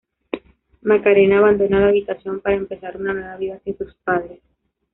Macarena abandona la habitación para empezar una nueva vida sin sus padres.